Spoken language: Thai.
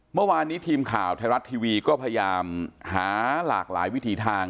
เมื่อวานนี้ทีมข่าวไทยรัฐทีวีก็พยายามหาหลากหลายวิถีทาง